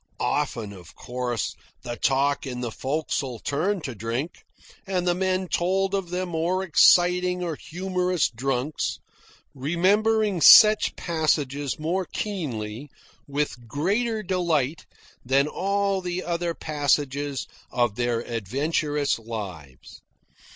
Often, of course, the talk in the forecastle turned on drink, and the men told of their more exciting or humorous drunks, remembering such passages more keenly, with greater delight, than all the other passages of their adventurous lives.